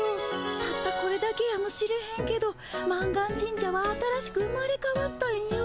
たったこれだけやもしれへんけど満願神社は新しく生まれかわったんよ。